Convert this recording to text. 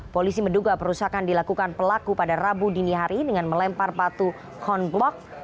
polisi menduga perusakan dilakukan pelaku pada rabu dini hari dengan melempar batu honblock